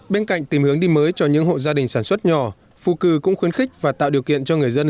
bên cạnh tìm hướng đi mới cho những hộ gia đình sản xuất nhỏ phù cử cũng khuyến khích và tạo điều kiện cho người dân